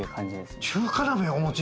中華鍋をお持ち？